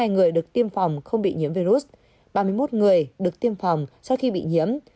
hai mươi người được tiêm phòng không bị nhiễm virus ba mươi một người được tiêm phòng sau khi bị nhiễm